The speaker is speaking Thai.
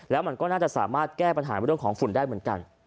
แล้วมันก็น่าจะสามารถแก้ปัญหาเรื่องของฝุ่นได้เหมือนกัน